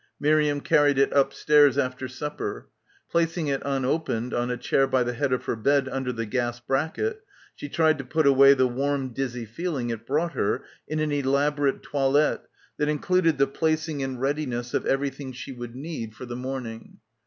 Miriam carried it upstairs after sup per. Placing it unopened on a chair by the head of her bed under the gas bracket she tried to put away the warm dizzy feeling it brought her in an elaborate toilet that included the placing in readiness of everything she would need for the — 148 — BACKWATER morning.